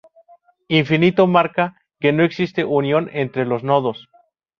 Infinito marca que no existe unión entre los nodos.